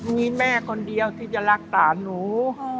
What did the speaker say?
มีแม่คนเดียวที่จะรักษาหนู